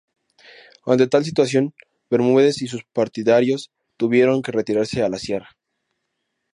Ante tal situación Bermúdez y sus partidarios tuvieron que retirarse a la sierra.